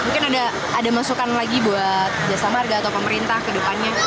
mungkin ada masukan lagi buat jasa marga atau pemerintah ke depannya